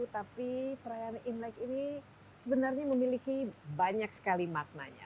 tapi perayaan imlek ini sebenarnya memiliki banyak sekali maknanya